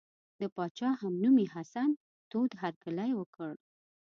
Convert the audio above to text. د پاچا همنومي حسن تود هرکلی وکړ.